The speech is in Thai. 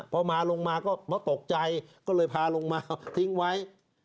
เขามาลงก็ตกใจก็เลยพาลงมาทิ้งไว้